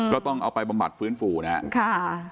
ก็ต้องเอาไปบำบัดฟื้นฟูนะครับ